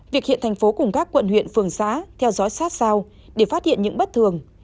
việc hiện thành phố cùng các quận huyện phường xã theo dõi sát sao để phát hiện những bất thường